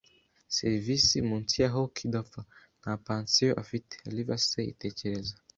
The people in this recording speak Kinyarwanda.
serivisi, munsi ya Hawke idapfa. Nta pansiyo afite, Livesey. Tekereza